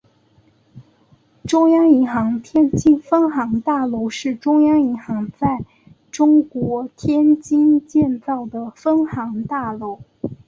中央银行天津分行大楼是中央银行在中国天津建造的分行大楼。